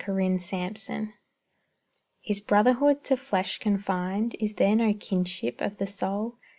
BROTHERHOOD Is brotherhood to flesh confined? Is there no kinship of the soul?